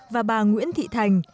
và bà nguyễn thị thành